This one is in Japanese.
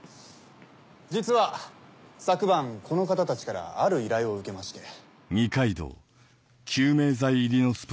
実は昨晩この方たちからある依頼を受けまして。